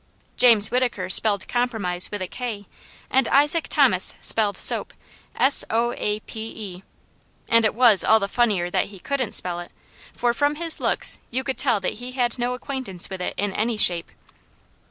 James Whittaker spelled compromise with a k, and Isaac Thomas spelled soap, s o a p e, and it was all the funnier that he couldn't spell it, for from his looks you could tell that he had no acquaintance with it in any shape.